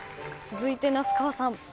続いて那須川さん。